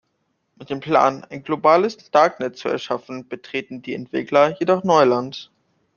Mit dem Plan, ein globales Darknet zu erschaffen, betreten die Entwickler jedoch Neuland.